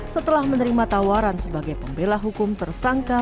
setelah menerima tawaran sebagai pembela hukum tersangka